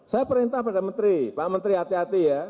saya perintah pada menteri pak menteri hati hati ya